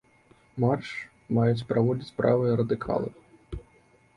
Марш маюць праводзіць правыя радыкалы.